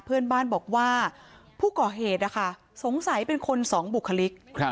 เพื่อนบ้านบอกว่าผู้ก่อเหตุสงสัยเป็นคนสองบุคลิก